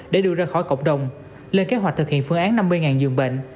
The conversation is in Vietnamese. để đưa ra khỏi cộng đồng lên kế hoạch thực hiện phương án năm mươi dường bệnh